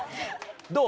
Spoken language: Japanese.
どう？